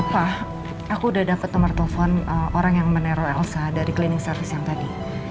pak aku udah dapet nomor telepon orang yang meneror elsa dari klinis servis yang tadi